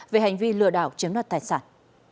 về hành vi lừa đảo chiếm đoạt tài sản